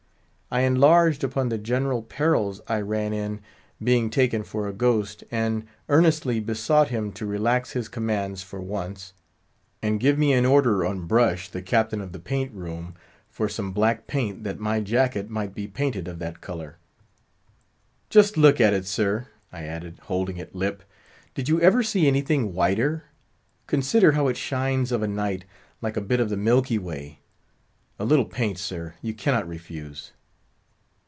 I enlarged upon the general perils I ran in being taken for a ghost, and earnestly besought him to relax his commands for once, and give me an order on Brush, the captain of the paint room, for some black paint, that my jacket might be painted of that colour. "Just look at it, sir," I added, holding it lip; "did you ever see anything whiter? Consider how it shines of a night, like a bit of the Milky Way. A little paint, sir, you cannot refuse."